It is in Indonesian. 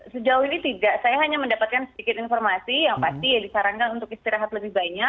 sejauh ini tidak saya hanya mendapatkan sedikit informasi yang pasti disarankan untuk istirahat lebih banyak